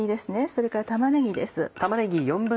それから玉ねぎです。